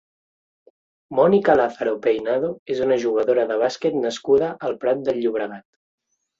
Mónica Lázaro Peinado és una jugadora de bàsquet nascuda al Prat de Llobregat.